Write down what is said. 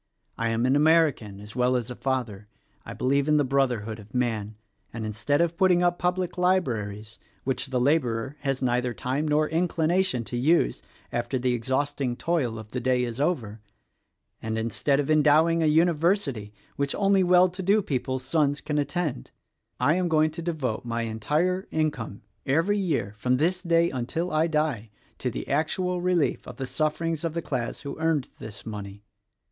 I am an American, as well as a father. I believe in the Brotherhood of Man, and instead of putting up public libraries which the laborer has neither time nor inclina tion to use after the exhausting toil of the day is over, and instead of endowing a University which only well to do people's sons can attend, I am going to devote my entire income, every year, from this day until I die, to the actual relief of the sufferings of the class who earned this money.